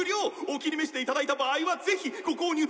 「お気に召していただいた場合はぜひ！ご購入！